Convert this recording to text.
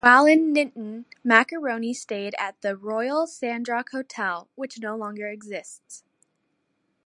While in Niton, Marconi stayed at the Royal Sandrock Hotel, which no longer exists.